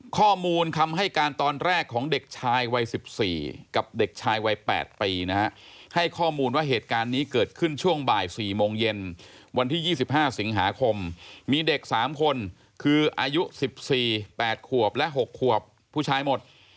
ข้อมูลคำให้การตอนแรกของเด็กชายวัย๑๔กับเด็กชายวัย๘ปีนะฮะให้ข้อมูลว่าเหตุการณ์นี้เกิดขึ้นช่วงบ่าย๔โมงเย็นวันที่๒๕สิงหาคมมีเด็ก๓คนคืออายุ๑๔๘ขวบและ๖ขวบผู้ชายหมด